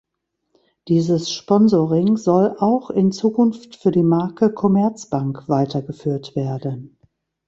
Dieses Sponsoring soll auch in Zukunft für die Marke Commerzbank weitergeführt werden.